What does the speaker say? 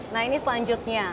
nah ini selanjutnya